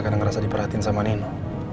karena ngerasa diperhatiin sama nino